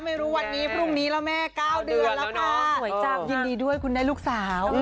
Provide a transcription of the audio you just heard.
ไม่รู้วันนี้พรุ่งนี้แล้วแม่๙เดือนแล้วค่ะยินดีด้วยคุณได้ลูกสาว